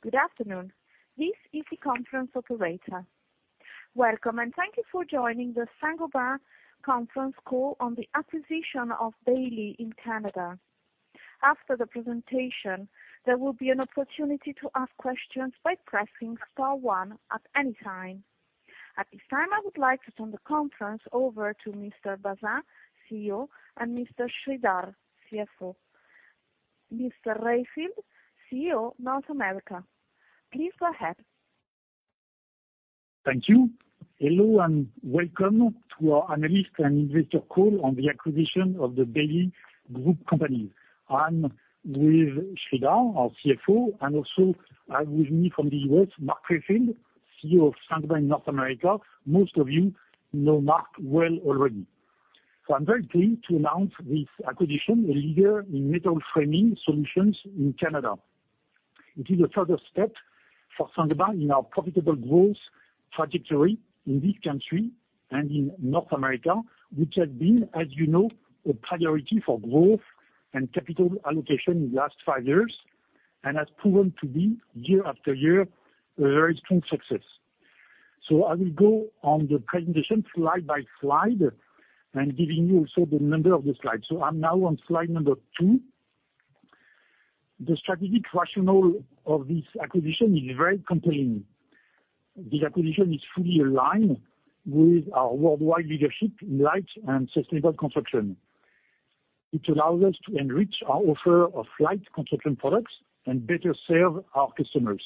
Good afternoon. This is the conference operator. Welcome, and thank you for joining the Saint-Gobain conference call on the acquisition of Bailey in Canada. After the presentation, there will be an opportunity to ask questions by pressing star one at any time. At this time, I would like to turn the conference over to Mr. Bazin, CEO, and Mr. Sreedhar, CFO. Mr. Rayfield, CEO, North America, please go ahead. Thank you. Hello, and welcome to our analyst and investor call on the acquisition of the Bailey Group company. I'm with Sreedhar, our CFO, and also I have with me from the U.S., Mark Rayfield, CEO of Saint-Gobain North America. Most of you know Mark well already. I'm very pleased to announce this acquisition, a leader in metal framing solutions in Canada. It is a further step for Saint-Gobain in our profitable growth trajectory in this country and in North America, which has been, as you know, a priority for growth and capital allocation in the last five years, and has proven to be, year after year, a very strong success. I will go on the presentation slide by slide and giving you also the number of the slides. I'm now on slide number two. The strategic rationale of this acquisition is very compelling. This acquisition is fully aligned with our worldwide leadership in light and sustainable construction. It allows us to enrich our offer of light construction products and better serve our customers.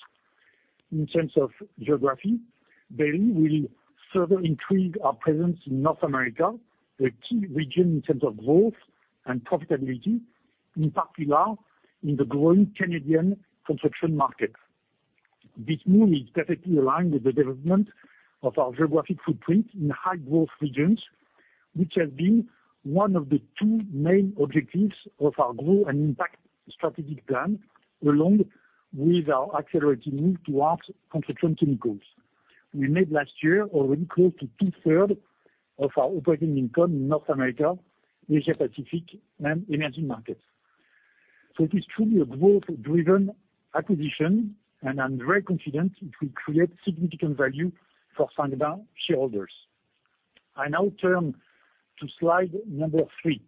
In terms of geography, Bailey will further increase our presence in North America, a key region in terms of growth and profitability, in particular in the growing Canadian construction market. This move is perfectly aligned with the development of our geographic footprint in high-growth regions, which has been one of the two main objectives of our Grow & Impact strategic plan, along with our accelerated move towards construction chemicals. We made last year already close to two-thirds of our operating income in North America, Asia Pacific, and emerging markets. So it is truly a growth-driven acquisition, and I'm very confident it will create significant value for Saint-Gobain shareholders. I now turn to slide number 3.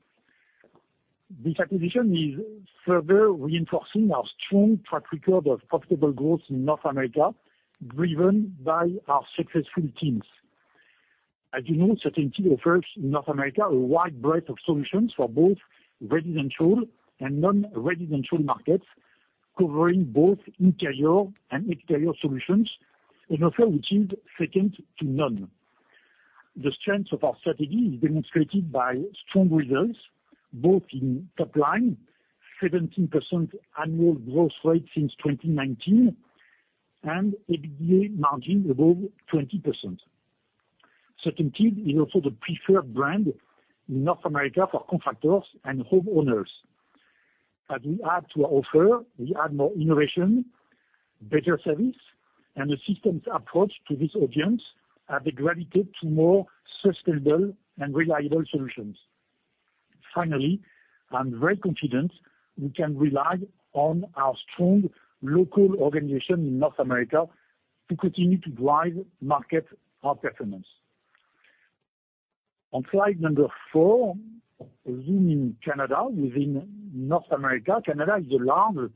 This acquisition is further reinforcing our strong track record of profitable growth in North America, driven by our successful teams. As you know, CertainTeed offers North America a wide breadth of solutions for both residential and non-residential markets, covering both interior and exterior solutions, an offer which is second to none. The strength of our strategy is demonstrated by strong results, both in top line, 17% annual growth rate since 2019, and EBITDA margin above 20%. CertainTeed is also the preferred brand in North America for contractors and homeowners. As we add to our offer, we add more innovation, better service, and a systems approach to this audience, as they gravitate to more sustainable and reliable solutions. Finally, I'm very confident we can rely on our strong local organization in North America to continue to drive market outperformance. On slide 4, zooming Canada within North America, Canada is a large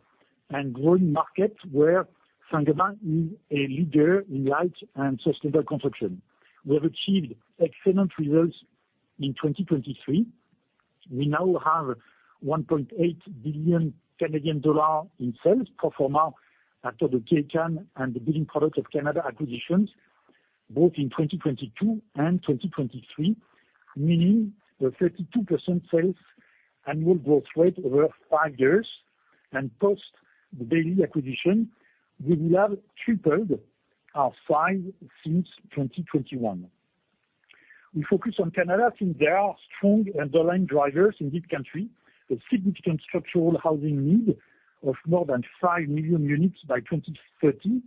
and growing market where Saint-Gobain is a leader in light and sustainable construction. We have achieved excellent results in 2023. We now have 1.8 billion Canadian dollars in sales pro forma after the Kaycan and the Building Products of Canada acquisitions, both in 2022 and 2023, meaning the 32% sales annual growth rate over 5 years and post the Bailey acquisition, we will have tripled our size since 2021. We focus on Canada, since there are strong underlying drivers in this country, a significant structural housing need of more than 5 million units by 2030,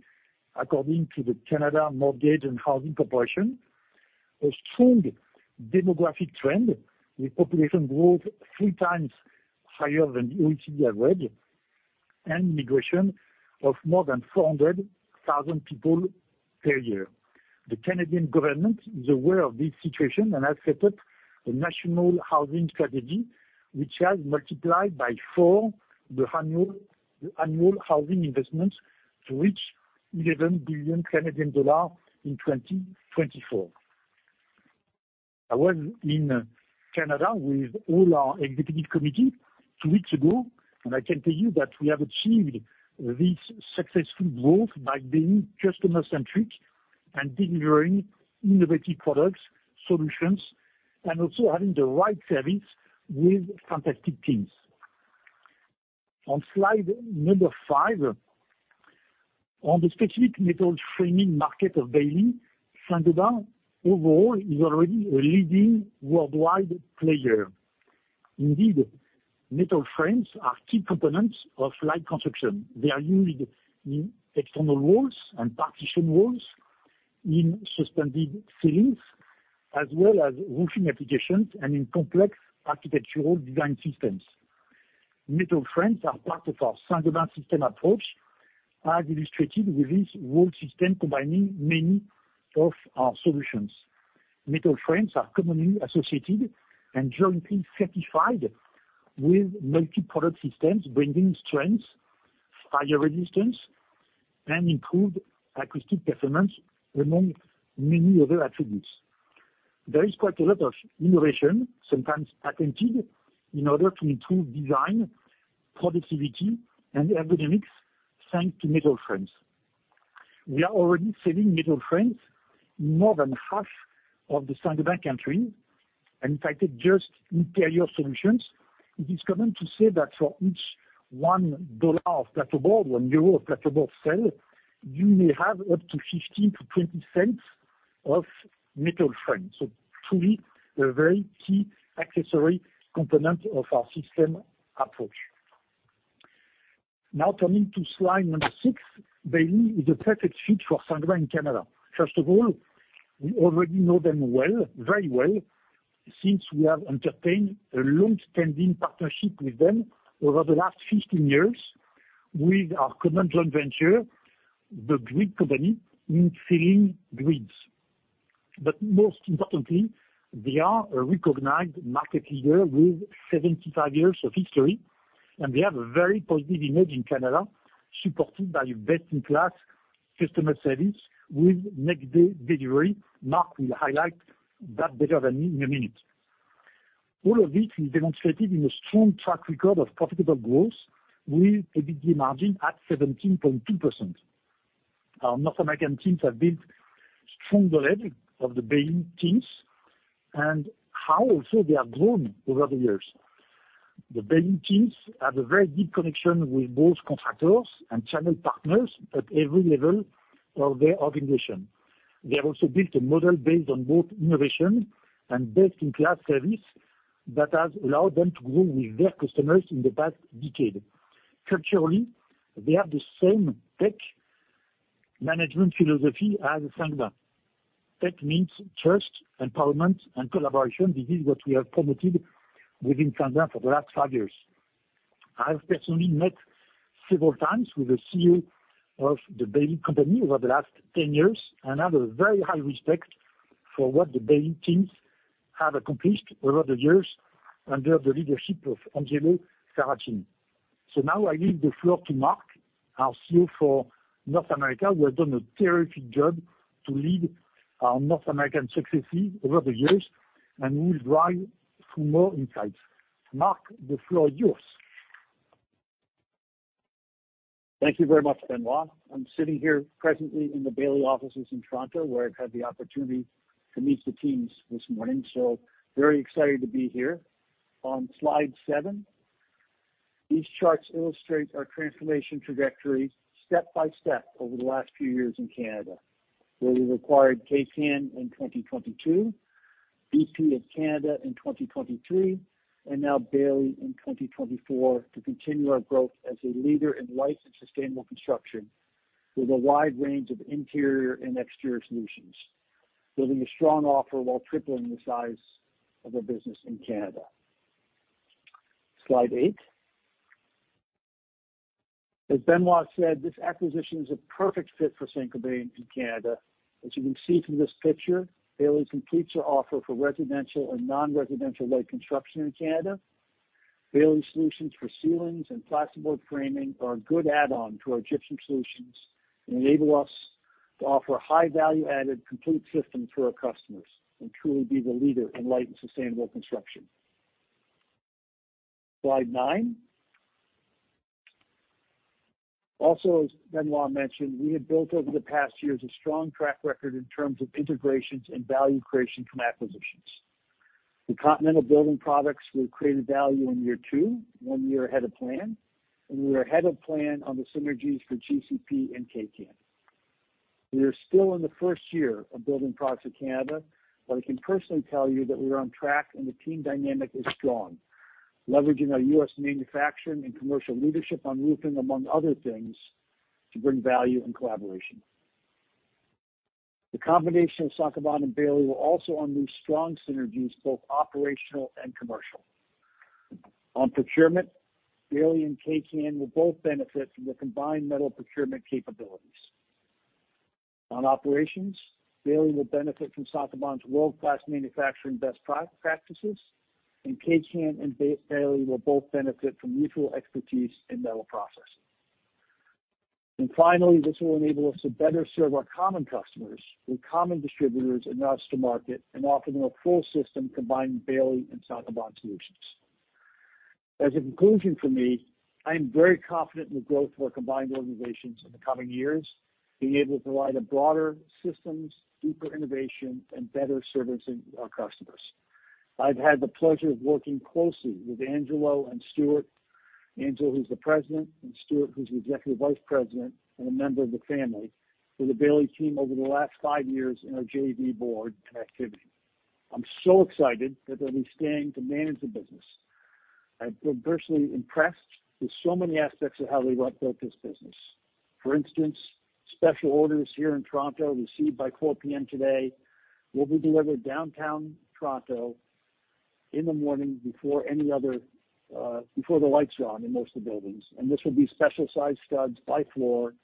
according to the Canada Mortgage and Housing Corporation. A strong demographic trend, with population growth three times higher than the OECD average, and immigration of more than 400,000 people per year. The Canadian government is aware of this situation and has set up a national housing strategy, which has multiplied by four the annual housing investment to reach 11 billion Canadian dollars in 2024. I was in Canada with all our executive committee two weeks ago, and I can tell you that we have achieved this successful growth by being customer-centric and delivering innovative products, solutions, and also having the right service with fantastic teams. On slide number 5, on the specific metal framing market of Bailey, Saint-Gobain overall is already a leading worldwide player. Indeed, metal frames are key components of light construction. They are used in external walls and partition walls, in suspended ceilings, as well as roofing applications and in complex architectural design systems. Metal frames are part of our Saint-Gobain system approach, as illustrated with this wall system combining many of our solutions. Metal frames are commonly associated and jointly certified with multi-product systems, bringing strength, fire resistance, and improved acoustic performance, among many other attributes. There is quite a lot of innovation, sometimes patented, in order to improve design, productivity, and ergonomics, thanks to metal frames. We are already selling metal frames in more than half of the Saint-Gobain countries, and in fact, just Interior Solutions. It is common to say that for each $1 of plasterboard, 1 euro of plasterboard sale, you may have up to 15-20 cents of metal frames. So truly, a very key accessory component of our system approach. Now, turning to slide number 6. Bailey is a perfect fit for Saint-Gobain in Canada. First of all, we already know them well, very well, since we have entertained a long-standing partnership with them over the last 15 years with our common joint venture, The Grid Company, in ceiling grids. But most importantly, they are a recognized market leader with 75 years of history, and they have a very positive image in Canada, supported by a best-in-class customer service with next-day delivery. Mark will highlight that better than me in a minute. All of this is demonstrated in a strong track record of profitable growth with EBITDA margin at 17.2%. Our North American teams have built strong delivery of the Bailey teams and how also they have grown over the years. The Bailey teams have a very deep connection with both contractors and channel partners at every level of their organization. They have also built a model based on both innovation and best-in-class service that has allowed them to grow with their customers in the past decade. Culturally, they have the same TEC management philosophy as Saint-Gobain. That means trust, empowerment, and collaboration. This is what we have promoted within Saint-Gobain for the last 5 years. I've personally met several times with the CEO of the Bailey company over the last 10 years, and have a very high respect for what the Bailey teams have accomplished over the years under the leadership of Angelo Sarracini. So now I leave the floor to Mark, our CEO for North America, who has done a terrific job to lead our North American success fee over the years and will drive through more insights. Mark, the floor is yours. Thank you very much, Benoit. I'm sitting here presently in the Bailey offices in Toronto, where I've had the opportunity to meet the teams this morning, so very excited to be here. On slide 7, these charts illustrate our transformation trajectory step by step over the last few years in Canada, where we acquired Kaycan in 2022, BP of Canada in 2023, and now Bailey in 2024, to continue our growth as a leader in light and sustainable construction with a wide range of interior and exterior solutions, building a strong offer while tripling the size of our business in Canada. Slide 8. As Benoit said, this acquisition is a perfect fit for Saint-Gobain in Canada. As you can see from this picture, Bailey completes our offer for residential and non-residential light construction in Canada. Bailey solutions for ceilings and plasterboard framing are a good add-on to our gypsum solutions and enable us to offer a high value-added, complete system to our customers and truly be the leader in light and sustainable construction. Slide 9. Also, as Benoit mentioned, we have built over the past years a strong track record in terms of integrations and value creation from acquisitions. The Continental Building Products will create a value in year two, one year ahead of plan, and we are ahead of plan on the synergies for GCP and Kaycan. We are still in the first year of Building Products of Canada, but I can personally tell you that we are on track, and the team dynamic is strong, leveraging our U.S. manufacturing and commercial leadership on roofing, among other things, to bring value and collaboration. The combination of Saint-Gobain and Bailey will also unleash strong synergies, both operational and commercial. On procurement, Bailey and Kaycan will both benefit from the combined metal procurement capabilities. On operations, Bailey will benefit from Saint-Gobain's world-class manufacturing best practices, and Kaycan and Bailey will both benefit from mutual expertise in metal processing. And finally, this will enable us to better serve our common customers with common distributors and use to market and offer them a full system combining Bailey and Saint-Gobain solutions. As a conclusion for me, I am very confident in the growth of our combined organizations in the coming years, being able to provide a broader systems, deeper innovation, and better servicing our customers. I've had the pleasure of working closely with Angelo and Stuart. Angelo, who's the president, and Stuart, who's the executive vice president and a member of the family, for the Bailey team over the last five years in our JV board and activity. I'm so excited that they'll be staying to manage the business.... I'm personally impressed with so many aspects of how Bailey built this business. For instance, special orders here in Toronto, received by 4:00 P.M. today, will be delivered downtown Toronto in the morning before any other, before the lights are on in most of the buildings. And this will be special size studs by floor,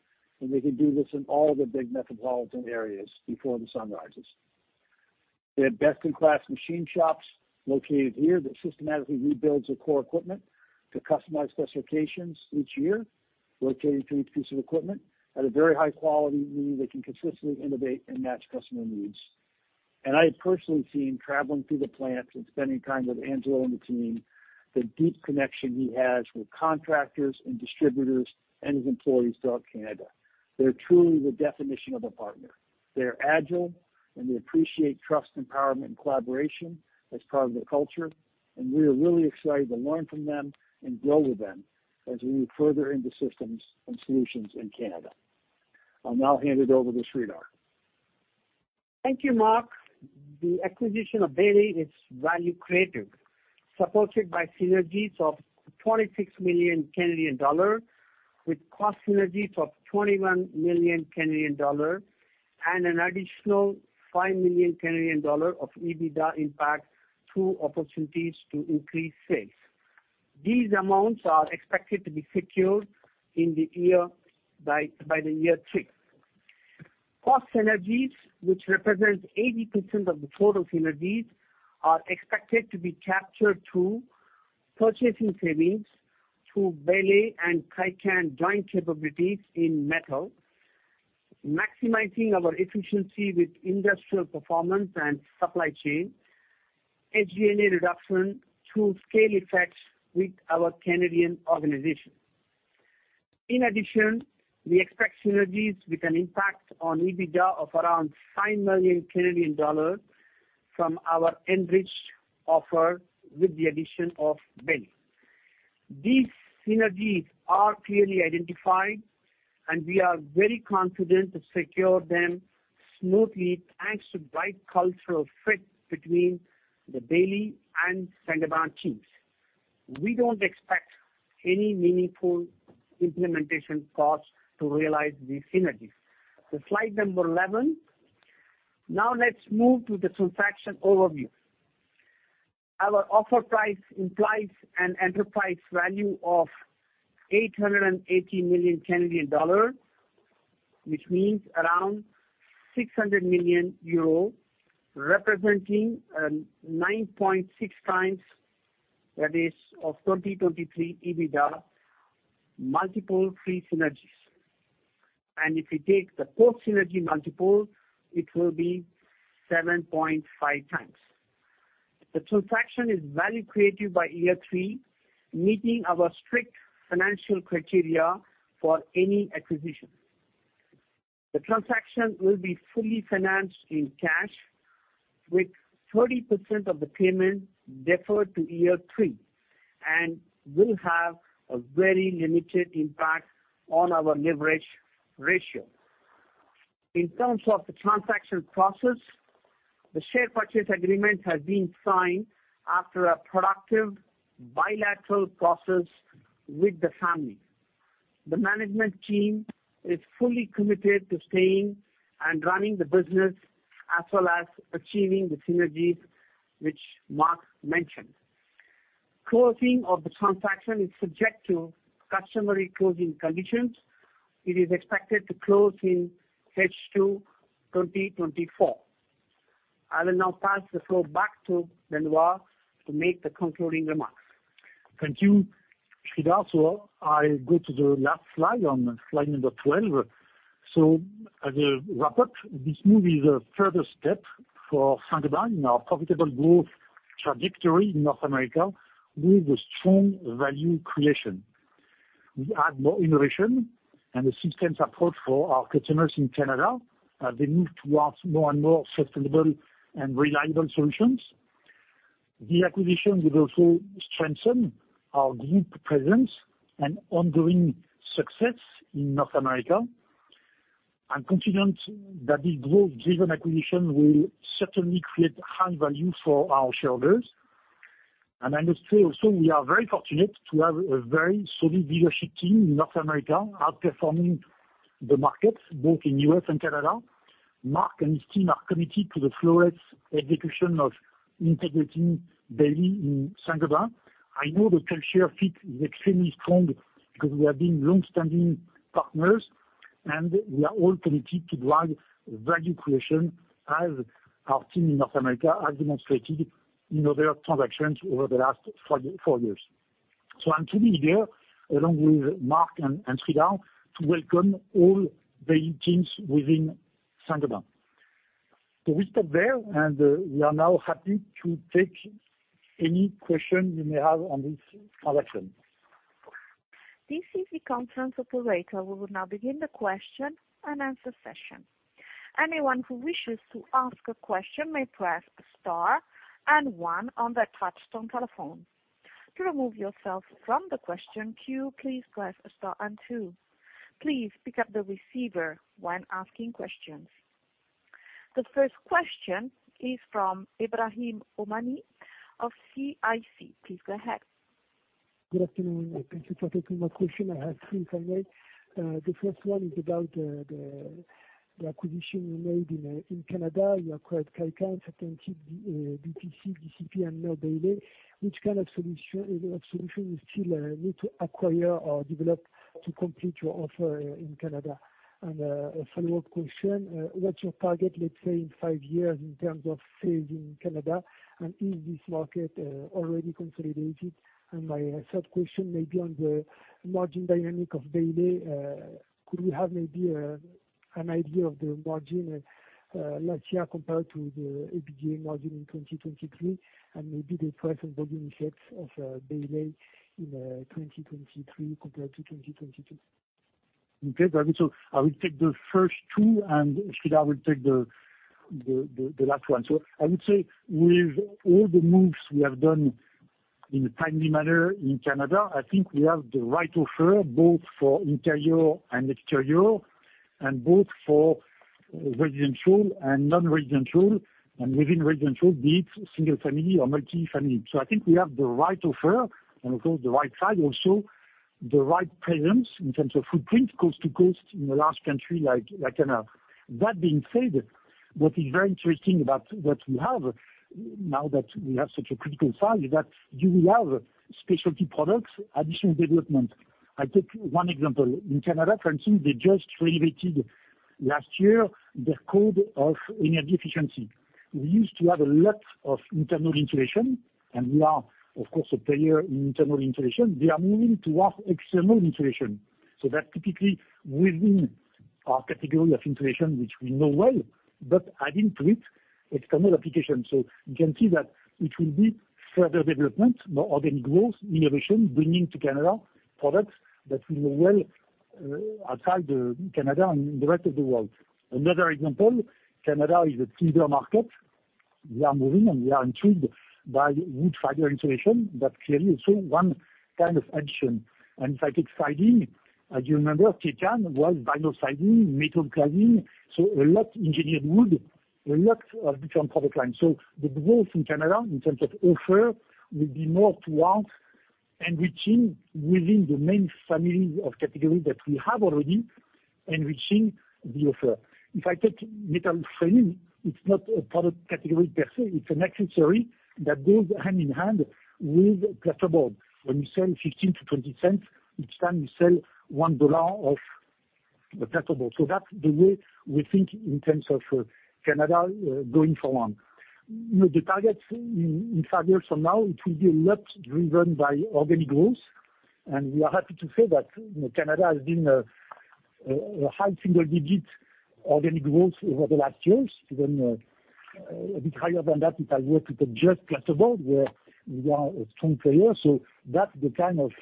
and they can do this in all the big metropolitan areas before the sun rises. They have best-in-class machine shops located here that systematically rebuilds their core equipment to customize specifications each year, located to each piece of equipment at a very high quality, meaning they can consistently innovate and match customer needs. I have personally seen, traveling through the plants and spending time with Angelo and the team, the deep connection he has with contractors and distributors and his employees throughout Canada. They're truly the definition of a partner. They're agile, and they appreciate trust, empowerment, and collaboration as part of their culture, and we are really excited to learn from them and grow with them as we move further into systems and solutions in Canada. I'll now hand it over to Sreedhar. Thank you, Mark. The acquisition of Bailey is value creative, supported by synergies of 26 million Canadian dollar, with cost synergies of 21 million Canadian dollar and an additional 5 million Canadian dollar of EBITDA impact through opportunities to increase sales. These amounts are expected to be secured by year three. Cost synergies, which represent 80% of the total synergies, are expected to be captured through purchasing savings, through Bailey and Kaycan joint capabilities in metal, maximizing our efficiency with industrial performance and supply chain, SG&A reduction through scale effects with our Canadian organization. In addition, we expect synergies with an impact on EBITDA of around 5 million Canadian dollars from our enriched offer with the addition of Bailey. These synergies are clearly identified, and we are very confident to secure them smoothly, thanks to great cultural fit between the Bailey and Saint-Gobain teams. We don't expect any meaningful implementation costs to realize these synergies. Slide 11. Now let's move to the transaction overview. Our offer price implies an enterprise value of 880 million Canadian dollars, which means around 600 million euro, representing nine point six times, that is, of 2023 EBITDA, multiple free synergies. And if you take the post-synergy multiple, it will be seven point five times. The transaction is value creative by year three, meeting our strict financial criteria for any acquisition. The transaction will be fully financed in cash, with 30% of the payment deferred to year three, and will have a very limited impact on our leverage ratio. In terms of the transaction process, the share purchase agreement has been signed after a productive bilateral process with the family. The management team is fully committed to staying and running the business, as well as achieving the synergies, which Mark mentioned. Closing of the transaction is subject to customary closing conditions. It is expected to close in H2, 2024. I will now pass the floor back to Benoit to make the concluding remarks. Thank you, Sreedhar. So I go to the last slide on slide number 12. So as a wrap-up, this move is a further step for Saint-Gobain in our profitable growth trajectory in North America with a strong value creation. We add more innovation and a systems approach for our customers in Canada, they move towards more and more sustainable and reliable solutions. The acquisition will also strengthen our group presence and ongoing success in North America. I'm confident that this growth-driven acquisition will certainly create high value for our shareholders. And I must say also, we are very fortunate to have a very solid leadership team in North America, outperforming the markets, both in U.S. and Canada. Mark and his team are committed to the flawless execution of integrating Bailey in Saint-Gobain. I know the culture fit is extremely strong because we have been long-standing partners, and we are all committed to drive value creation as our team in North America has demonstrated in other transactions over the last four years. So I'm truly here, along with Mark and Sreedhar, to welcome all the teams within Saint-Gobain. So we stop there, and we are now happy to take any questions you may have on this transaction. This is the conference operator. We will now begin the question-and-answer session. Anyone who wishes to ask a question may press star and one on their touchtone telephone. To remove yourself from the question queue, please press star and two. Please pick up the receiver when asking questions.... The first question is from Ibrahim Omani of CIC. Please go ahead. Good afternoon, and thank you for taking my question. I have three, if I may. The first one is about the acquisition you made in Canada. You acquired Kaycan, CertainTeed, BPC, GCP, and now Bailey. Which kind of solution you still need to acquire or develop to complete your offer in Canada? And a follow-up question, what's your target, let's say, in five years in terms of sales in Canada, and is this market already consolidated? And my third question may be on the margin dynamic of Bailey. Could we have maybe an idea of the margin last year compared to the EBITDA margin in 2023, and maybe the price and volume effects of Bailey in 2023 compared to 2022? Okay, great. So I will take the first two, and Sreedhar will take the last one. So I would say with all the moves we have done in a timely manner in Canada, I think we have the right offer both for interior and exterior, and both for residential and non-residential, and within residential, be it single family or multi-family. So I think we have the right offer and, of course, the right size, also the right presence in terms of footprint, coast to coast, in a large country like Canada. That being said, what is very interesting about what we have, now that we have such a critical size, is that you will have specialty products, additional development. I take one example. In Canada, for instance, they just renovated last year the code of energy efficiency. We used to have a lot of internal insulation, and we are of course a player in internal insulation. We are moving to have external insulation, so that's typically within our category of insulation, which we know well, but adding to it external application. So you can see that it will be further development, more organic growth, innovation, bringing to Canada products that we know well outside Canada and the rest of the world. Another example, Canada is a timber market. We are moving, and we are intrigued by wood fiber insulation. That's clearly also one kind of addition. And if I take siding, as you remember, Kaycan was vinyl siding, metal cladding, so a lot engineered wood, a lot of different product lines. The growth in Canada in terms of offer will be more towards enriching within the main families of categories that we have already, enriching the offer. If I take metal framing, it's not a product category per se, it's an accessory that goes hand-in-hand with plasterboard. When you sell 0.15-0.20, each time you sell 1 dollar of the plasterboard. So that's the way we think in terms of Canada, going forward. You know, the target in 5 years from now, it will be a lot driven by organic growth. We are happy to say that, you know, Canada has been a high single digit organic growth over the last years, even a bit higher than that, if I were to take just plasterboard, where we are a strong player. So that's the kind of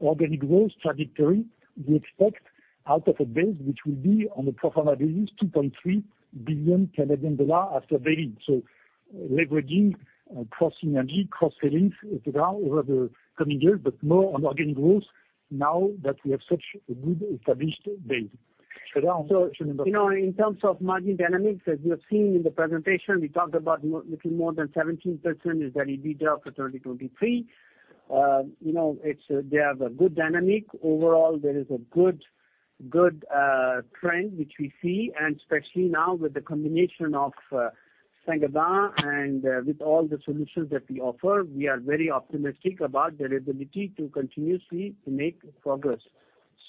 organic growth trajectory we expect out of a base, which will be on a pro forma basis, 2.3 billion Canadian dollars after Bailey. So leveraging across energy, cross-sellings, et cetera, over the coming years, but more on organic growth now that we have such a good established base. Sreedhar? So, you know, in terms of margin dynamics, as you have seen in the presentation, we talked about little more than 17% is the EBITDA for 2023. You know, it's. They have a good dynamic. Overall, there is a good, good trend which we see, and especially now with the combination of Saint-Gobain and with all the solutions that we offer, we are very optimistic about their ability to continuously make progress.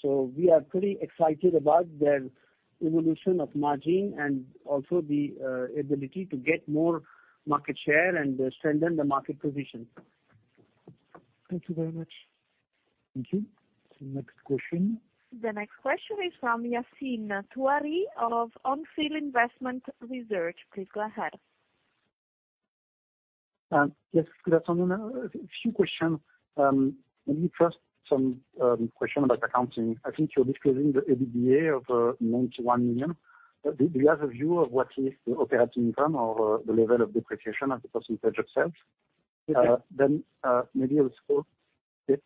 So we are pretty excited about the evolution of margin and also the ability to get more market share and strengthen the market position. Thank you very much. Thank you. So next question. The next question is from Yassine Touahri of Onfield Investment Research. Please go ahead. Yes, good afternoon. A few questions. Let me first some question about accounting. I think you're disclosing the EBITDA of 91 million. Do you have a view of what is the operating income or the level of depreciation as a percentage of sales? Okay. Then, maybe also, yes.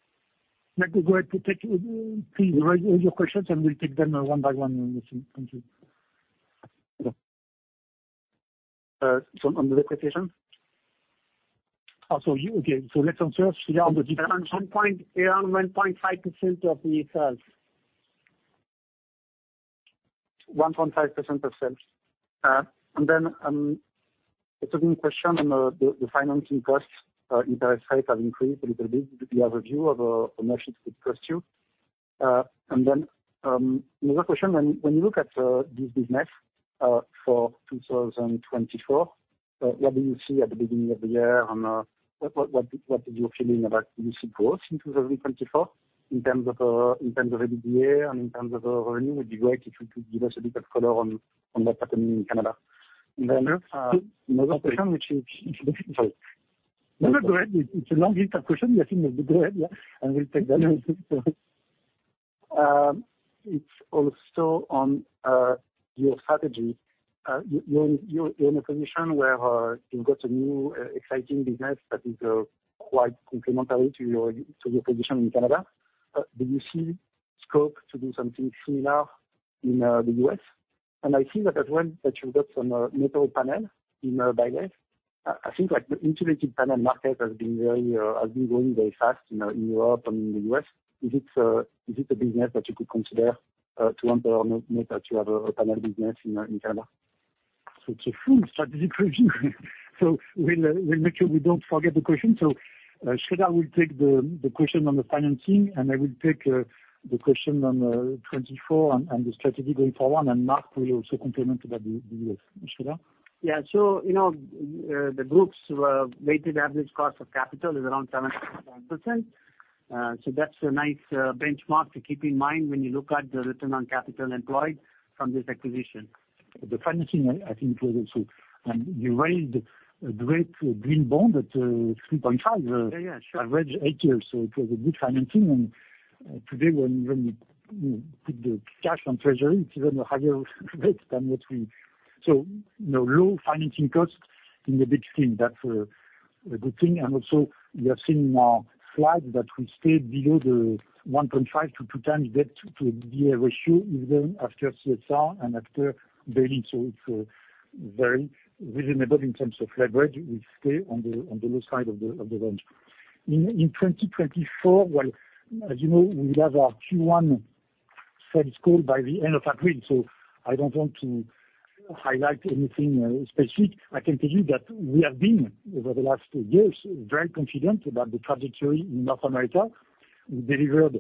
That is great. To take, please raise all your questions, and we'll take them one by one, Yacine. Thank you. So on the depreciation. Okay, so let's answer Yacine- Around 1, around 1.5% of the sales. 1.5% of sales. And then, a second question on the financing costs. Interest rates have increased a little bit. Do you have a view of how much it could cost you? And then, another question, when you look at this business for 2024, what do you see at the beginning of the year, and what is your feeling about business growth in 2024, in terms of EBITDA and in terms of revenue? It'd be great if you could give us a bit of color on what's happening in Canada. And then, another question, which is sorry. No, no, go ahead. It's a long list of questions, Yacine. So go ahead, yeah, and we'll take them. It's also on your strategy. You're in a position where you've got a new exciting business that is quite complementary to your position in Canada. Do you see-... scope to do something similar in the U.S.? And I see that as well, that you've got some metal panel in Bailey. I think like the insulated panel market has been growing very fast, you know, in Europe and in the U.S. Is it a business that you could consider to enter or not, not that you have a panel business in Canada? So it's a full strategic review. So we'll, we'll make sure we don't forget the question. So, Sreedhar will take the, the question on the financing, and I will take, the question on, 2024 and, and the strategy going forward, and Mark will also comment about the, the U.S. Sreedhar? Yeah. So, you know, the group's weighted average cost of capital is around 7%. So that's a nice benchmark to keep in mind when you look at the return on capital employed from this acquisition. The financing, I think, was also... You raised a great green bond at 3.5- Yeah, yeah, sure. Average eight years, so it was a good financing. And, today, when you put the cash on Treasury, it's even a higher rate than what we... So, you know, low financing costs in the big scheme, that's a good thing. And also, we have seen in our plan that we stayed below the 1.5-2 times debt to EBITDA ratio, even after CSR and after Bailey. So it's very reasonable in terms of leverage. We stay on the low side of the range. In 2024, well, as you know, we will have our Q1 results call by the end of April, so I don't want to highlight anything specific. I can tell you that we have been, over the last years, very confident about the trajectory in North America. We delivered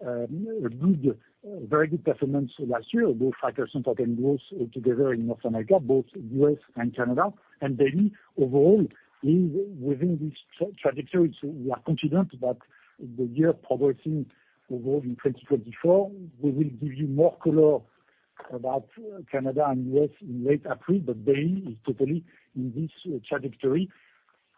a good, very good performance last year, both 5% organic growth together in North America, both U.S. and Canada. Bailey, overall, is within this trajectory, so we are confident about the year progressing overall in 2024. We will give you more color about Canada and U.S. in late April, but Bailey is totally in this trajectory.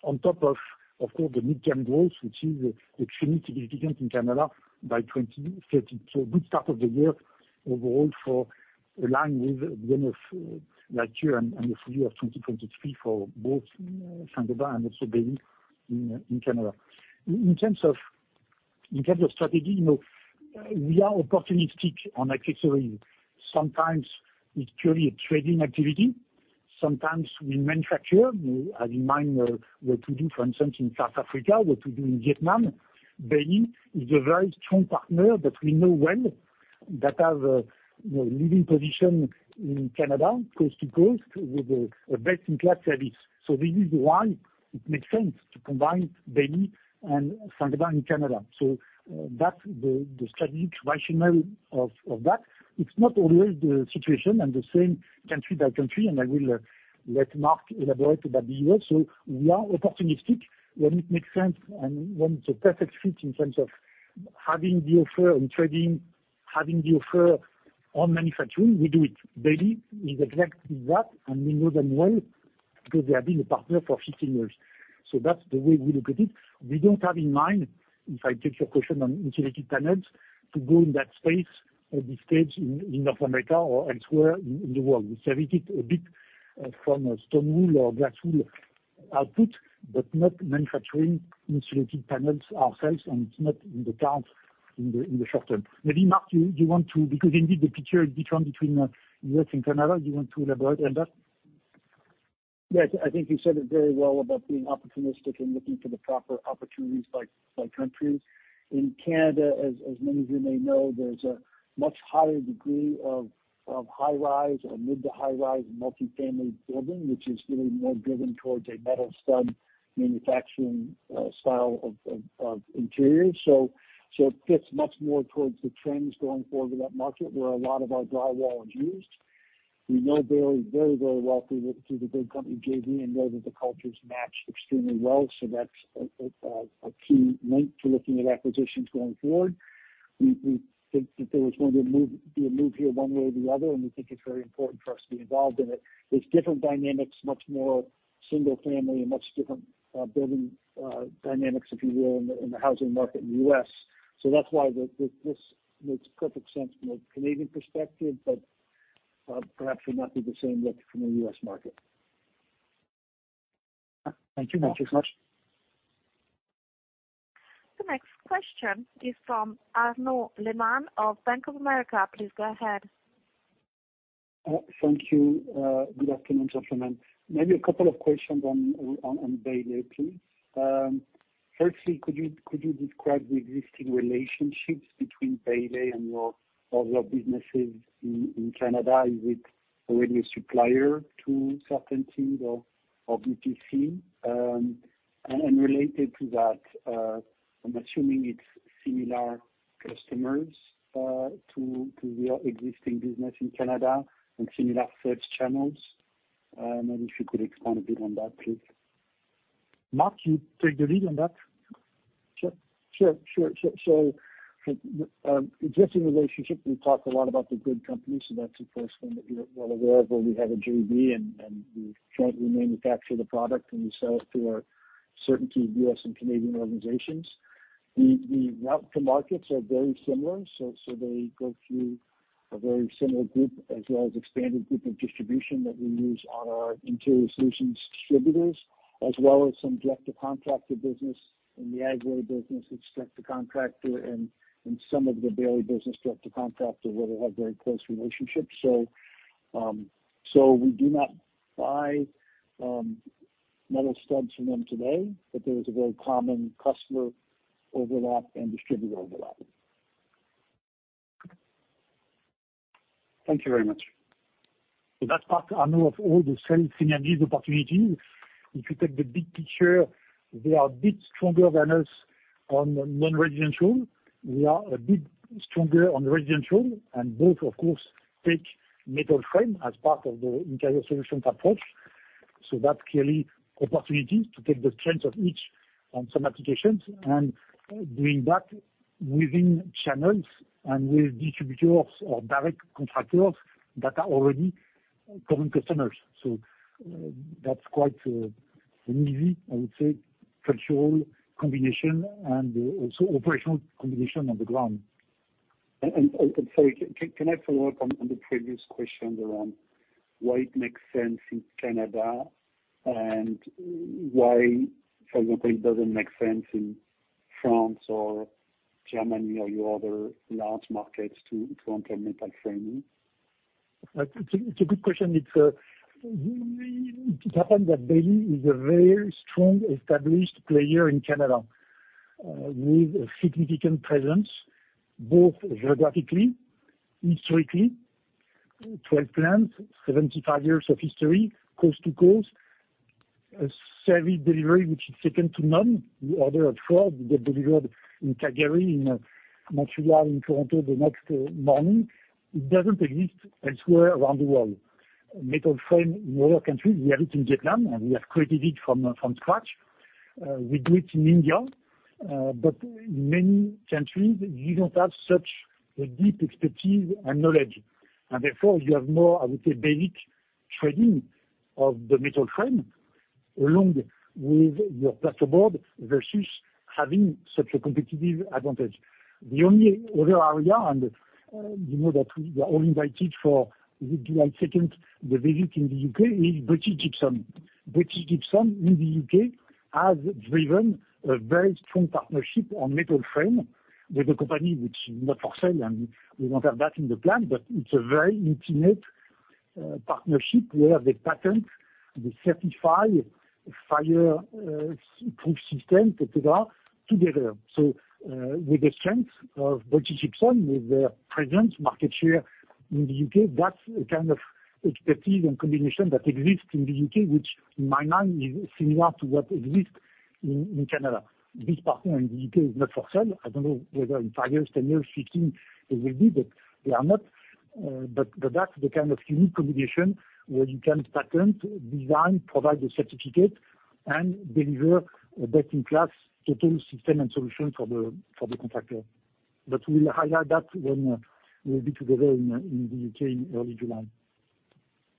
On top of, of course, the midterm goals, which is extremely significant in Canada by 2030. Good start of the year overall for aligned with the end of last year and the full year of 2023 for both Saint-Gobain and also Bailey in Canada. In terms of strategy, you know, we are opportunistic on accessory. Sometimes it's purely a trading activity, sometimes we manufacture. We have in mind what we do, for instance, in South Africa, what we do in Vietnam. Bailey is a very strong partner that we know well, that have you know leading position in Canada, coast to coast, with a best-in-class service. So this is why it makes sense to combine Bailey and Saint-Gobain in Canada. So that's the strategic rationale of that. It's not always the situation and the same country by country, and I will let Mark elaborate about the US. So we are opportunistic when it makes sense and when it's a perfect fit in terms of having the offer on trading, having the offer on manufacturing, we do it. Bailey is exactly that, and we know them well because they have been a partner for 15 years. So that's the way we look at it. We don't have in mind, if I take your question on insulated panels, to go in that space at this stage in, in North America or elsewhere in, in the world. We service it a bit, from a stone wool or glass wool output, but not manufacturing insulated panels ourselves, and it's not in the cards in the, in the short term. Maybe, Mark, you, you want to, because indeed, the picture is different between, U.S. and Canada. You want to elaborate on that? Yes. I think you said it very well about being opportunistic and looking for the proper opportunities by countries. In Canada, as many of you may know, there's a much higher degree of high-rise or mid- to high-rise multifamily building, which is really more driven towards a metal stud manufacturing style of interiors. So it fits much more towards the trends going forward in that market, where a lot of our drywall is used. We know Bailey very well through the Grid Company JV and know that the cultures match extremely well, so that's a key link to looking at acquisitions going forward. We think that there was going to be a move here one way or the other, and we think it's very important for us to be involved in it. There's different dynamics, much more single family and much different building dynamics, if you will, in the housing market in the US. So that's why this makes perfect sense from a Canadian perspective, but perhaps would not be the same look from a US market. Thank you very much. Thank you so much. The next question is from Arnaud Lehmann of Bank of America. Please go ahead. Thank you. Good afternoon, gentlemen. Maybe a couple of questions on Bailey, please. Firstly, could you describe the existing relationships between Bailey and your other businesses in Canada? Is it already a supplier to CertainTeed or BPC? And related to that, I'm assuming it's similar customers to your existing business in Canada and similar sales channels. Maybe if you could expand a bit on that, please. Mark, you take the lead on that? Sure. So, existing relationship, we've talked a lot about the Grid Company, so that's of course one that you're well aware of, where we have a JV and we jointly manufacture the product, and we sell it through our CertainTeed U.S. and Canadian organizations. The route to markets are very similar, so they go through a very similar group, as well as expanded group of distribution that we use on our interior solutions distributors, as well as some direct-to-contractor business. In the Agway business, it's direct to contractor, and some of the Bailey business direct to contractor, where they have very close relationships. So, we do not buy metal studs from them today, but there is a very common customer overlap and distributor overlap. Thank you very much. So that's part, I know of all the same synergies opportunity. If you take the big picture, they are a bit stronger than us on non-residential. We are a bit stronger on residential, and both, of course, take metal frame as part of the interior solutions approach. So that's clearly opportunity to take the strength of each on some applications, and doing that within channels and with distributors or direct contractors that are already current customers. So, that's quite, an easy, I would say, cultural combination and also operational combination on the ground. So can I follow up on the previous question around why it makes sense in Canada and why, for example, it doesn't make sense in France or Germany or your other large markets to enter metal framing? It's a good question. It happened that Bailey is a very strong established player in Canada, with a significant presence both geographically, historically, 12 plants, 75 years of history, coast to coast. A savvy delivery, which is second to none. You order abroad, you get delivered in Calgary, in Montreal, in Toronto the next morning. It doesn't exist elsewhere around the world. Metal framing in other countries, we have it in Vietnam, and we have created it from scratch. We do it in India, but in many countries, you don't have such a deep expertise and knowledge. And therefore, you have more, I would say, basic framing of the metal framing, along with your plasterboard, versus having such a competitive advantage. The only other area, and, you know that we, we are all invited for the July 2nd, the visit in the U.K., is British Gypsum. British Gypsum in the U.K. has driven a very strong partnership on metal frame with a company which is not for sale, and we don't have that in the plan, but it's a very intimate, partnership, where they patent, they certify fire proof system, et cetera, together. So, with the strength of British Gypsum, with the presence, market share in the U.K., that's the kind of expertise and combination that exists in the U.K., which in my mind is similar to what exists in, in Canada. This partner in the U.K. is not for sale. I don't know whether in five years, 10 years, 15, it will be, but they are not. But that's the kind of unique combination where you can patent, design, provide the certificate, and deliver a best-in-class total system and solution for the contractor. But we'll highlight that when we'll be together in the UK in early July.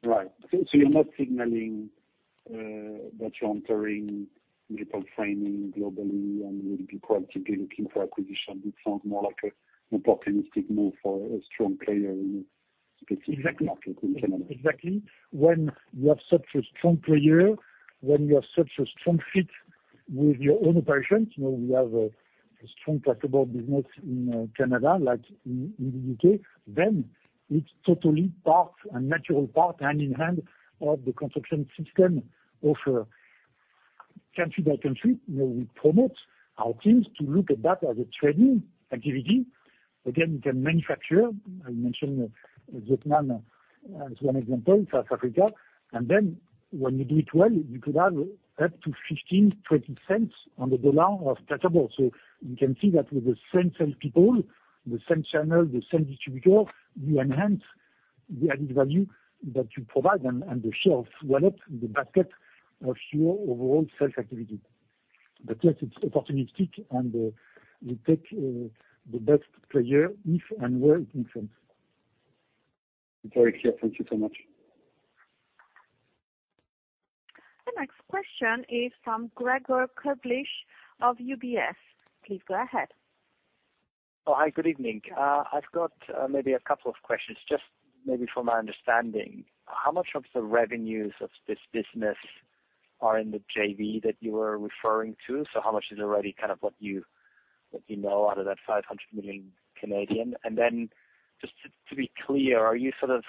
Right. So you're not signaling that you're entering metal framing globally and will be proactively looking for acquisition. It sounds more like an opportunistic move for a strong player in a specific market in Canada. Exactly. Exactly. When you have such a strong player, when you have such a strong fit with your own operations, you know, we have a, a strong plasterboard business in, Canada, like in, the U.K., then it's totally part, a natural part, hand in hand, of the construction system of a country by country, where we promote our teams to look at that as a trading activity. Again, you can manufacture, I mentioned Vietnam as one example, South Africa. And then when you do it well, you could add up to 15-20 cents on the dollar of plasterboard. So you can see that with the same set of people, the same channel, the same distributor, you enhance the added value that you provide and, the share of wallet, the basket of your overall sales activity. But yes, it's opportunistic, and we take the best player if and where it makes sense. Very clear. Thank you so much. The next question is from Gregor Kuglitsch of UBS. Please go ahead. Oh, hi, good evening. I've got maybe a couple of questions, just maybe for my understanding. How much of the revenues of this business are in the JV that you were referring to? So how much is already kind of what you know out of that 500 million? And then, just to be clear, are you sort of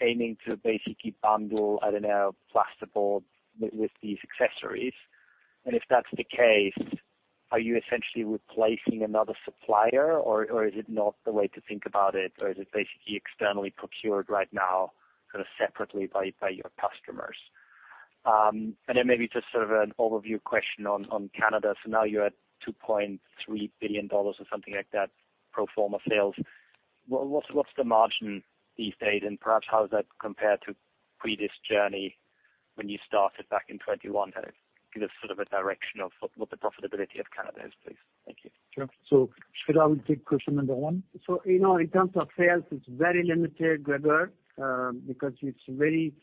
aiming to basically bundle, I don't know, plasterboards with these accessories? And if that's the case, are you essentially replacing another supplier, or is it not the way to think about it, or is it basically externally procured right now, sort of separately by your customers? And then maybe just sort of an overview question on Canada. So now you're at 2.3 billion dollars or something like that, pro forma sales. What's the margin these days, and perhaps how does that compare to previous journey when you started back in 2021? Kind of give us sort of a direction of what the profitability of Canada is, please. Thank you. Sure. So Sreedhar will take question number one. So, you know, in terms of sales, it's very limited, Gregor, because it's very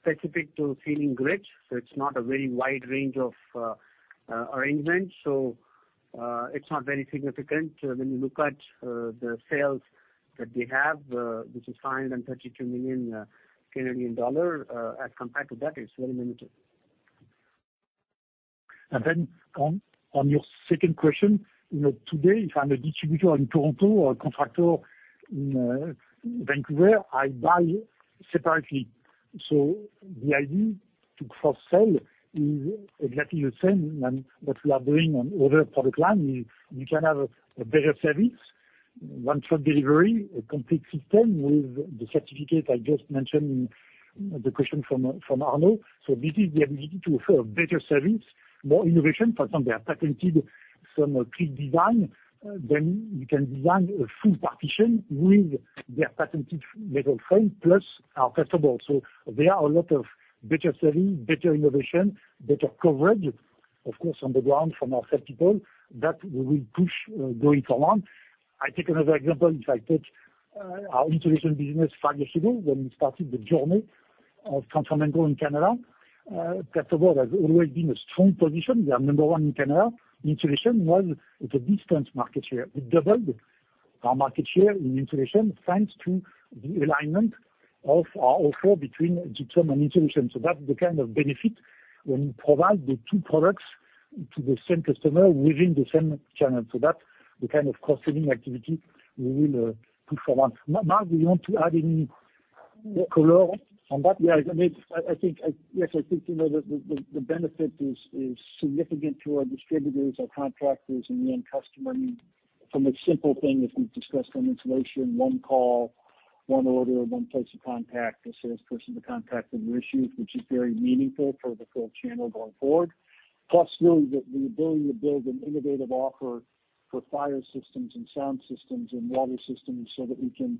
specific to ceiling grids, so it's not a very wide range of arrangement. So-... it's not very significant when you look at, the sales that they have, which is 532 million Canadian dollar, as compared to that, it's very limited. And then, on, on your second question, you know, today, if I'm a distributor in Toronto or a contractor in, Vancouver, I buy separately. So the idea to cross-sell is exactly the same than what we are doing on other product line. We, we can have a, a better service, one truck delivery, a complete system with the certificate I just mentioned in the question from, from Arnaud. So this is the ability to offer a better service, more innovation. For example, they have patented some clean design, then we can design a full partition with their patented metal frame, plus our festival. So there are a lot of better service, better innovation, better coverage, of course, on the ground from our sales people that we will push going forward. I take another example. If I take our insulation business five years ago, when we started the journey of Continental in Canada, first of all, has always been a strong position. We are number one in Canada. Insulation was with a distant market share. We doubled our market share in insulation, thanks to the alignment of our offer between gypsum and insulation. So that's the kind of benefit when you provide the two products to the same customer within the same channel. So that the kind of cross-selling activity we will push forward. Mark, do you want to add any color on that? Yeah, I mean, I think—yes, I think, you know, the benefit is significant to our distributors, our contractors, and end customer. I mean, from a simple thing, as we've discussed on insulation, one call, one order, one place of contact, a salesperson to contact with your issues, which is very meaningful for the full channel going forward. Plus, really, the ability to build an innovative offer for fire systems and sound systems and water systems, so that we can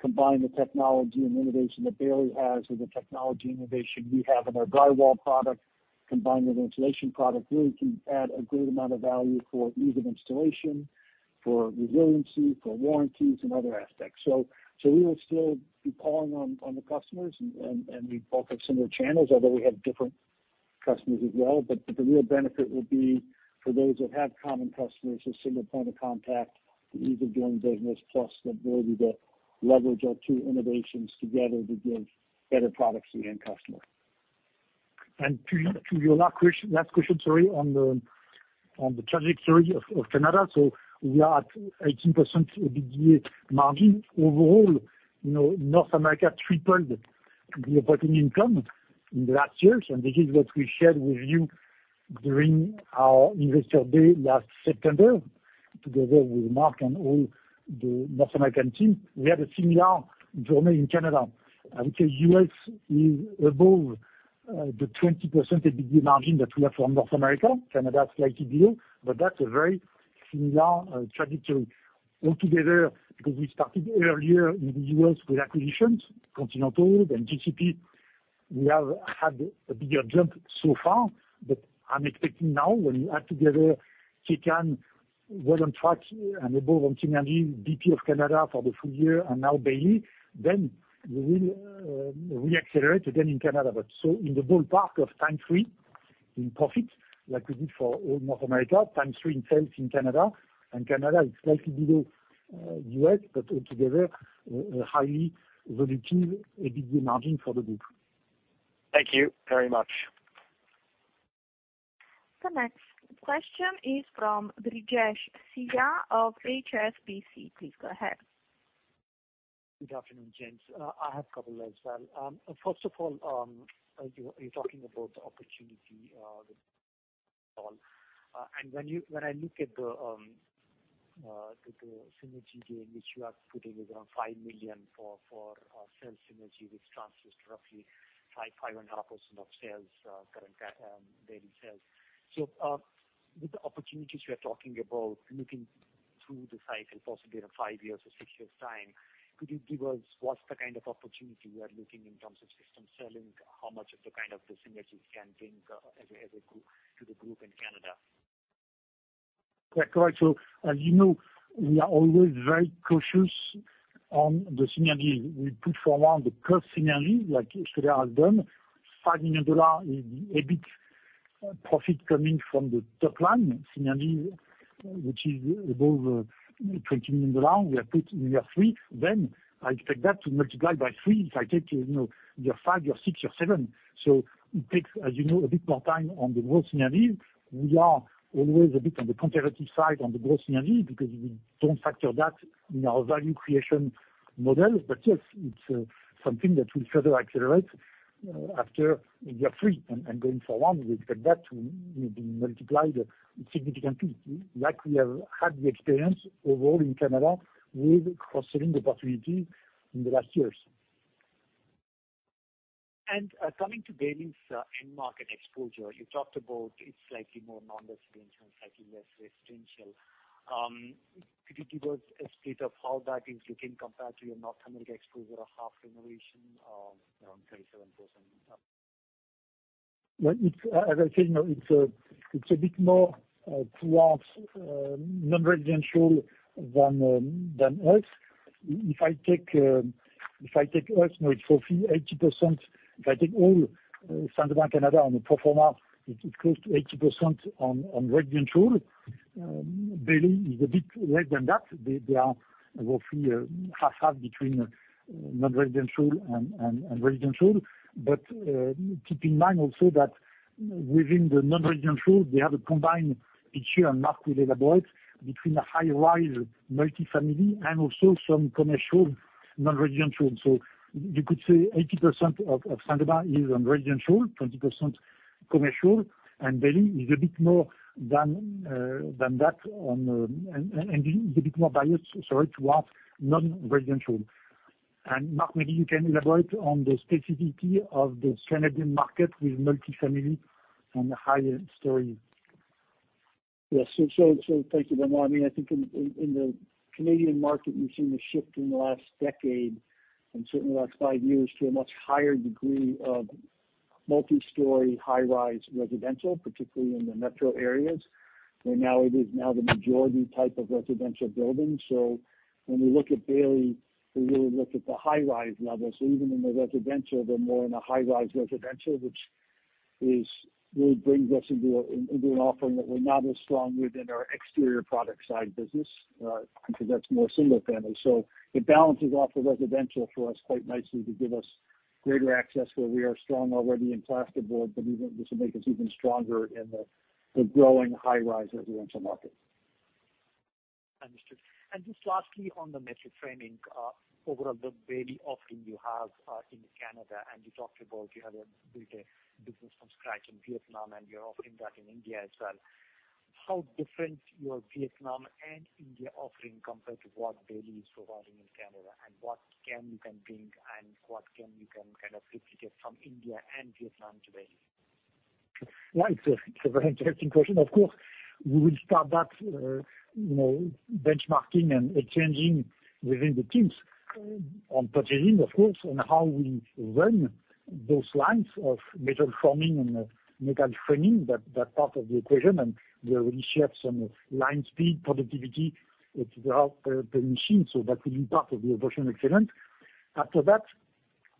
combine the technology and innovation that Bailey has with the technology innovation we have in our drywall product, combined with insulation product, really can add a great amount of value for ease of installation, for resiliency, for warranties, and other aspects. So we will still be calling on the customers and we both have similar channels, although we have different customers as well. But the real benefit will be for those that have common customers, a single point of contact, the ease of doing business, plus the ability to leverage our two innovations together to give better products to the end customer. To your last question, sorry, on the trajectory of Canada. So we are at 18% EBITDA margin. Overall, you know, North America tripled the operating income in the last years, and this is what we shared with you during our investor day last September, together with Mark and all the North American team. We had a similar journey in Canada, I would say US is above the 20% EBITDA margin that we have for North America. Canada is slightly below, but that's a very similar trajectory. Altogether, because we started earlier in the US with acquisitions, Continental, then GCP, we have had a bigger jump so far, but I'm expecting now, when you add together, Kaycan, we're on track and above on synergy, Building Products of Canada for the full year, and now Bailey, then we will re-accelerate again in Canada. But so in the ballpark of times three in profit, like we did for all North America, times three in sales in Canada, and Canada is slightly below US, but altogether a highly relative EBITDA margin for the group. Thank you very much. The next question is from Brijesh Siya of HSBC. Please go ahead. Good afternoon, gents. I have a couple as well. First of all, you're talking about the opportunity, and when I look at the synergy gain, which you are putting is around 5 million for sales synergy, which transfers roughly 5%-5.5% of sales, current daily sales. So, with the opportunities you are talking about, looking through the cycle, possibly in 5 years or 6 years' time, could you give us what's the kind of opportunity you are looking in terms of system selling? How much of the kind of the synergies can bring as a group to the group in Canada? Yeah, correct. So as you know, we are always very cautious on the synergies. We put forward the cost synergy, like yesterday I've done. $5 million is EBIT profit coming from the top line synergy, which is above $20 million. We are putting year three, then I expect that to multiply by three. If I take to, you know, year five, year six, year seven. So it takes, as you know, a bit more time on the growth synergies. We are always a bit on the conservative side on the growth synergy, because we don't factor that in our value creation model. But yes, it's something that will further accelerate after year three. And, and going forward, we expect that to be multiplied significantly, like we have had the experience overall in Canada with cross-selling opportunity in the last years. Coming to Bailey's end market exposure, you talked about it's slightly more non-residential, slightly less residential. Could you give us a split of how that is looking compared to your North America exposure, half of renovation, around 37%? Well, as I said, you know, it's a bit more towards non-residential than us. If I take us, you know, it's roughly 80%, if I take all Saint-Gobain Canada on the pro forma, it's close to 80% on residential. Bailey is a bit less than that. They are roughly 50/50 between non-residential and residential. But keep in mind also that within the non-residential, they have a combined picture, and Mark will elaborate, between the high rise multifamily and also some commercial non-residential. So you could say 80% of Saint-Gobain is on residential, 20% commercial, and Bailey is a bit more than that, and is a bit more biased, sorry, towards non-residential. Mark, maybe you can elaborate on the specificity of the Canadian market with multifamily and the higher stories? Yes. So, thank you very much. I mean, I think in the Canadian market, we've seen a shift in the last decade, and certainly the last five years, to a much higher degree of multi-story, high-rise residential, particularly in the metro areas, where now it is the majority type of residential building. So when we look at Bailey, we really look at the high-rise level. So even in the residential, they're more in a high-rise residential, which really brings us into an offering that we're not as strong within our exterior product side business, because that's more single family. So it balances off the residential for us quite nicely to give us greater access where we are strong already in plasterboard, but even this will make us even stronger in the growing high-rise residential market. Understood. And just lastly, on the metal framing, overall, the very offering you have in Canada, and you talked about you have built a business from scratch in Vietnam, and you're offering that in India as well. How different your Vietnam and India offering compared to what Bailey is providing in Canada? And what can you bring and what can you kind of replicate from India and Vietnam to Bailey? Well, it's a, it's a very interesting question. Of course, we will start that, you know, benchmarking and exchanging within the teams on purchasing, of course, on how we run those lines of metal forming and, metal framing, that, that part of the equation. And we already shared some line speed, productivity, et cetera, per machine, so that will be part of the operational excellence. After that,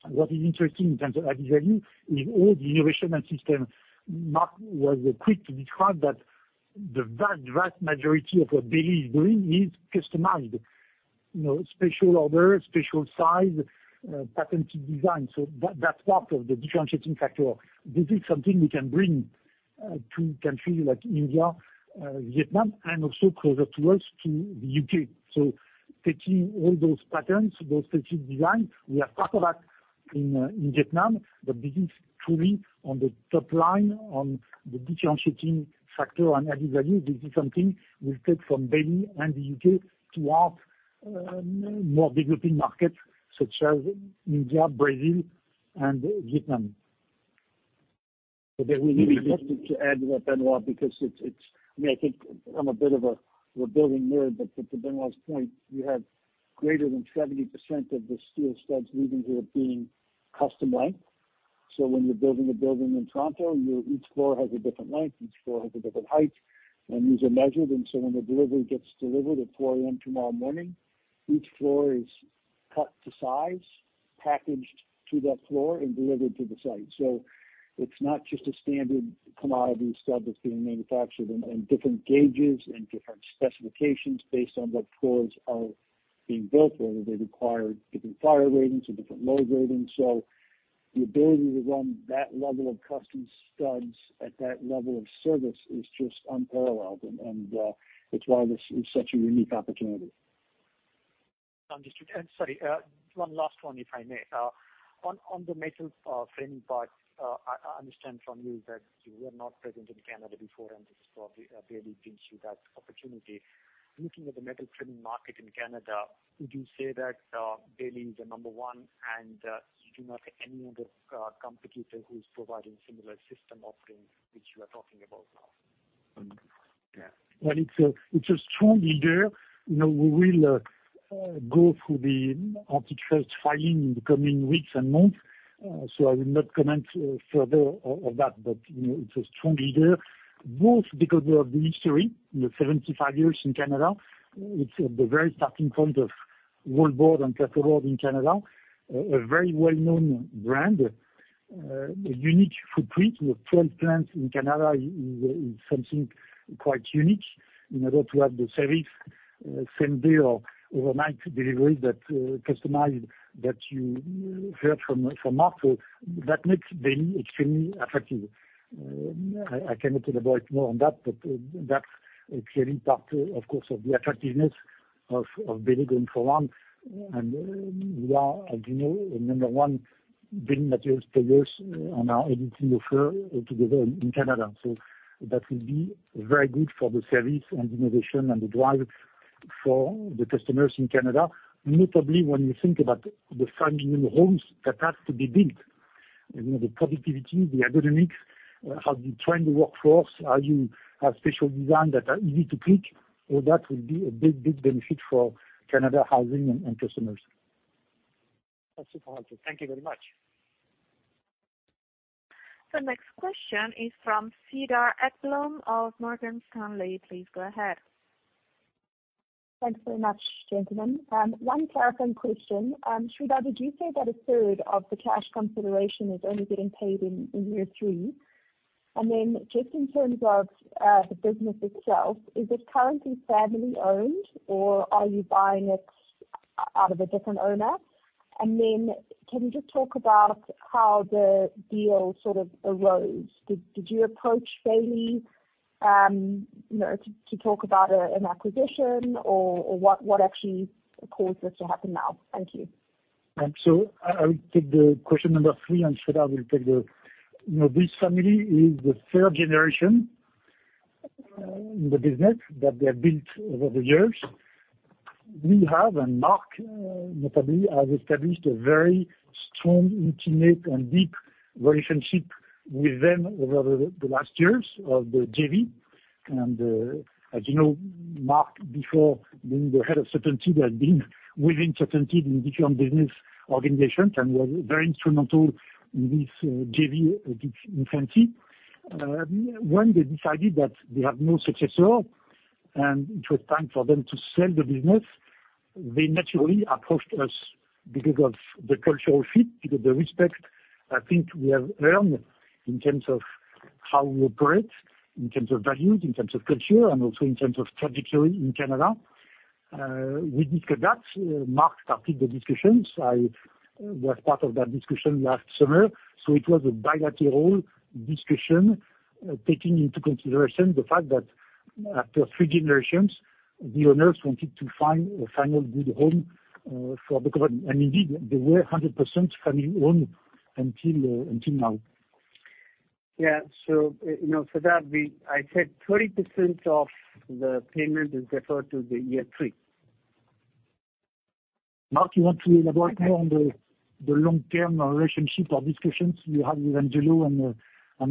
what is interesting in terms of added value is all the innovation and system. Mark was quick to describe that the vast, vast majority of what Bailey is doing is customized. You know, special order, special size, patented design. So that, that's part of the differentiating factor. This is something we can bring, to countries like India, Vietnam, and also closer to us, to the UK. Taking all those patterns, those specific design, we have part of that in Vietnam, but this is truly on the top line, on the differentiating factor and added value. This is something we take from Bailey and the UK to our more developing markets such as India, Brazil, and Vietnam. But then we need to add, Benoit, because it's I mean, I think I'm a bit of a building nerd, but to Benoit's point, you have greater than 70% of the steel studs leaving here being custom length. So when you're building a building in Toronto, your each floor has a different length, each floor has a different height, and these are measured. And so when the delivery gets delivered at 4:00 A.M. tomorrow morning, each floor is cut to size, packaged to that floor, and delivered to the site. So it's not just a standard commodity stud that's being manufactured in different gauges and different specifications based on what floors are being built, whether they require different fire ratings or different load ratings. So the ability to run that level of custom studs at that level of service is just unparalleled, and it's why this is such a unique opportunity. Understood. And sorry, one last one, if I may. On, on the metal framing part, I, I understand from you that you were not present in Canada before, and this is probably, Bailey gives you that opportunity. Looking at the metal framing market in Canada, would you say that, Bailey is the number one, and, you do not have any other, competitor who's providing similar system offerings which you are talking about now? Yeah. Well, it's a strong leader. You know, we will go through the antitrust filing in the coming weeks and months, so I will not comment further on that. But, you know, it's a strong leader, both because of the history, the 75 years in Canada. It's at the very starting point of wallboard and plasterboard in Canada, a very well-known brand, a unique footprint with 12 plants in Canada is something quite unique in order to have the service, same day or overnight delivery that customized, that you heard from Mark. So that makes Bailey extremely attractive. I cannot elaborate more on that, but that's clearly part, of course, of the attractiveness of Bailey going forward. We are, as you know, the number one building materials player in our end-to-end offer together in Canada. So that will be very good for the service and innovation and the delivery for the customers in Canada. Notably, when you think about the 5 million homes that have to be built, you know, the productivity, the ergonomics, how you train the workforce, how you have special design that are easy to click, all that will be a big, big benefit for Canadian housing and customers. That's super. Thank you very much. The next question is from Cedar Ekblom of Morgan Stanley. Please go ahead. Thanks very much, gentlemen. One clarifying question. Sreedhar, did you say that a third of the cash consideration is only getting paid in year three? And then just in terms of the business itself, is it currently family-owned or are you buying it out of a different owner? And then can you just talk about how the deal sort of arose? Did you approach Bailey, you know, to talk about an acquisition or what actually caused this to happen now? Thank you. I would take the question number 3, and Sreedhar will take. You know, this family is the third generation in the business that they have built over the years. We have, and Mark notably, have established a very strong, intimate, and deep relationship with them over the last years of the JV. As you know, Mark, before being the head of CertainTeed, had been within CertainTeed in different business organizations and was very instrumental in this JV, its infancy. When they decided that they have no successor and it was time for them to sell the business, they naturally approached us because of the cultural fit, because the respect I think we have earned in terms of how we operate, in terms of values, in terms of culture, and also in terms of trajectory in Canada. We discussed. Mark started the discussions. I was part of that discussion last summer, so it was a bilateral discussion, taking into consideration the fact that after three generations, the owners wanted to find a final good home for the company. And indeed, they were 100% family-owned until now. Yeah. So, you know, for that, I said 30% of the payment is deferred to the year 3. Mark, you want to elaborate more on the long-term relationship or discussions you have with Angelo, and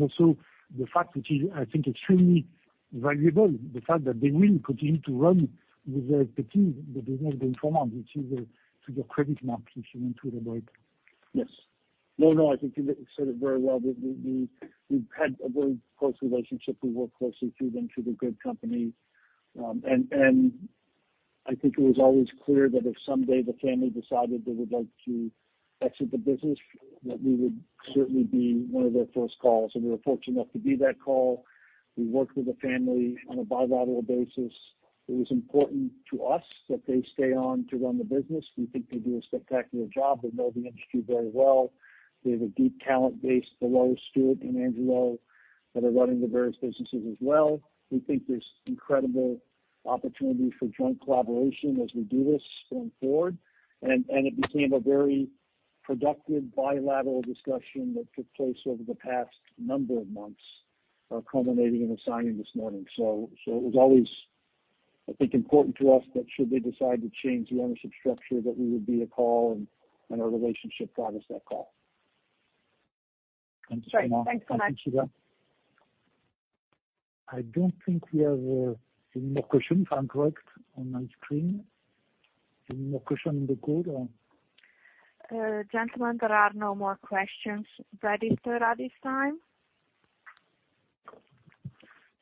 also the fact, which is, I think, extremely valuable, the fact that they will continue to run with Petit, the business they inform on, which is to your credit, Mark, if you want to elaborate? Yes. No, no, I think you said it very well. We've had a very close relationship. We work closely with them, to the good company. And I think it was always clear that if someday the family decided they would like to exit the business, that we would certainly be one of their first calls, and we were fortunate enough to be that call. We worked with the family on a bilateral basis. It was important to us that they stay on to run the business. We think they do a spectacular job. They know the industry very well. They have a deep talent base below Stuart and Angelo that are running the various businesses as well. We think there's incredible opportunity for joint collaboration as we do this going forward. It became a very productive bilateral discussion that took place over the past number of months, culminating in the signing this morning. So it was always, I think, important to us that should they decide to change the ownership structure, that we would be a call, and our relationship got us that call. Thanks so much. Great. Thanks so much. Thank you, Sreedhar. I don't think we have any more questions, if I'm correct on my screen. Any more question in the group, or? Gentlemen, there are no more questions registered at this time.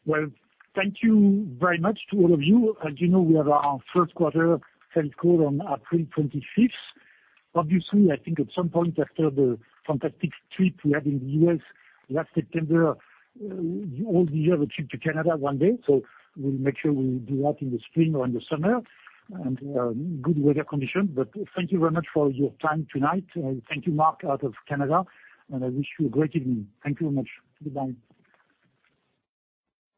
Well, thank you very much to all of you. As you know, we have our first quarter sales call on April 25. Obviously, I think at some point after the fantastic trip we had in the U.S. last September, all the other trip to Canada one day, so we'll make sure we do that in the spring or in the summer, and good weather condition. But thank you very much for your time tonight. Thank you, Mark, out of Canada, and I wish you a great evening. Thank you very much. Goodbye.